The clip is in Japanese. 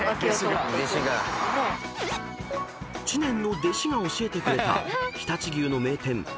［知念の弟子が教えてくれた常陸牛の名店「コルク」］